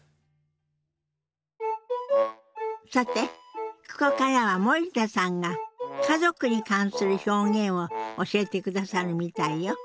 さてここからは森田さんが家族に関する表現を教えてくださるみたいよ。